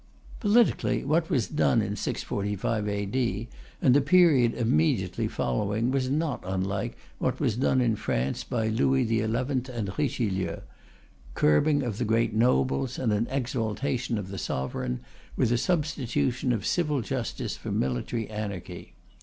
Politically, what was done in 645 A.D. and the period immediately following was not unlike what was done in France by Louis XI and Richelieu curbing of the great nobles and an exaltation of the sovereign, with a substitution of civil justice for military anarchy.